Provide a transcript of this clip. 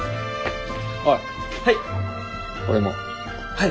はい。